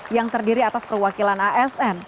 yang terdiri atas perwakilan asn